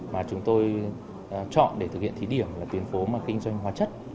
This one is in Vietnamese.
mà chúng tôi chọn để thực hiện thí điểm là tuyến phố mà kinh doanh hóa chất